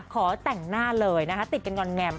ขอแต่งหน้าเลยนะคะติดกันงอนแงม